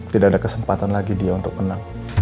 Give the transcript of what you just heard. tidak ada kesempatan lagi dia untuk menang